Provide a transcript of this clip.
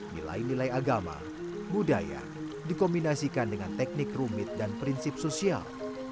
nilai nilai agama budaya dikombinasikan dengan teknik rumit dan prinsip sosial